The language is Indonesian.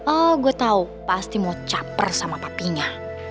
oh gue tau pasti mau caper sama papanya